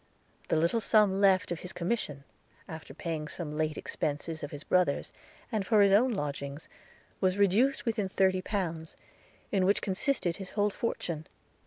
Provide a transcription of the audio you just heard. – The little sum left of his commission, after paying some late expences of his brother's, and for his own lodgings, was reduced within thirty pounds, in which consisted his whole fortune.